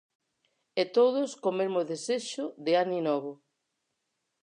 E todos co mesmo desexo de Aninovo.